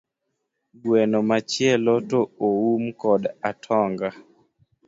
Gweno machielo to oum kod atonga